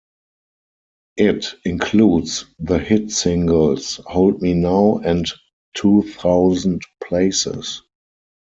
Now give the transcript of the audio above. It includes the hit singles "Hold Me Now" and "Two Thousand Places".